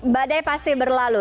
badai pasti berlalu